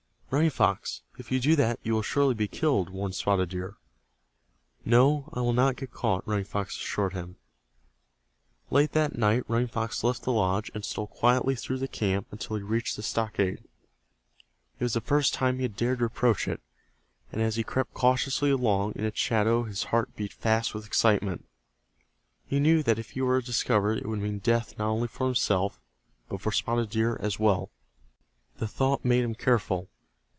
"Running Fox, if you do that you will surely be killed," warned Spotted Deer. "No, I will not get caught," Running Fox assured him. Late that night Running Fox left the lodge, and stole quietly through the camp until he reached the stockade. It was the first time he had dared to approach it, and as he crept cautiously along in its shadow his heart beat fast with excitement. He knew that if he were discovered it would mean death not only for himself, but for Spotted Deer as well. The thought made him careful.